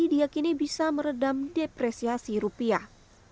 diakini bisa meredam depresiasi rupiah